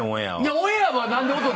オンエアは何で音。